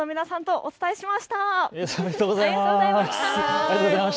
ありがとうございます。